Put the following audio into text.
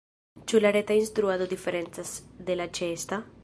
Ĉu la reta instruado diferencas de la ĉeesta?